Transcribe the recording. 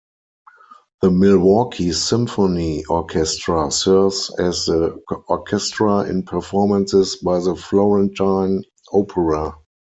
The Milwaukee Symphony Orchestra serves as the orchestra in performances by the Florentine Opera.